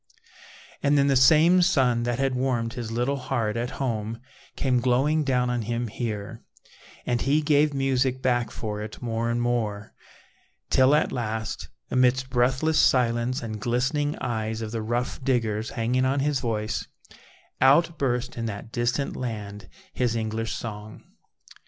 And then the same sun that had warmed his little heart at home came glowing down on him here, and he gave music back for it more and more, till at last amidst breathless silence and glistening eyes of the rough diggers hanging on his voice out burst in that distant land his English song.